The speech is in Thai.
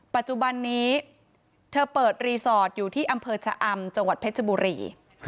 ปัจจุบันนี้เธอเปิดรีสอร์ทอยู่ที่อำเภอชะอำจังหวัดเพชรบุรี